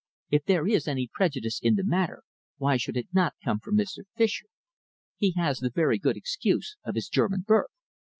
If there is any prejudice in the matter, why should it not come from Mr. Fischer? He has the very good excuse of his German birth."